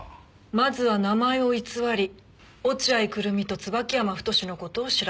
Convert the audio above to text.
まずは名前を偽り落合久瑠実と椿山太の事を調べた。